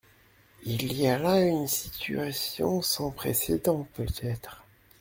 Il y a là une situation sans précèdent peut-être.